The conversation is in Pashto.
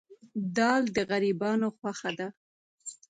دال د غریبانو غوښه ده.